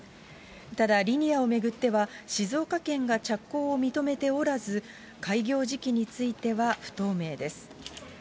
ただ、リニアを巡っては、静岡県が着工を認めておらず、開業時期については不透明です。